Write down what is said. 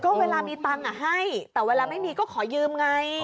ก็เวลามีตังค์ให้แต่เวลาไม่มีก็ขอยืมไง